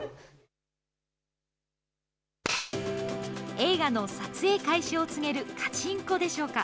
映画の撮影開始を告げるカチンコでしょうか。